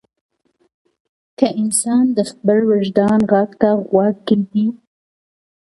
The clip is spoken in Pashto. که انسان د خپل وجدان غږ ته غوږ کېږدي.